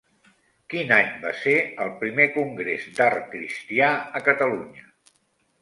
Quin any va ser el Primer Congrés d'Art Cristià a Catalunya?